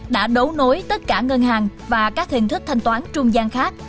đã đấu nối tất cả ngân hàng và các hình thức thanh toán trung gian khác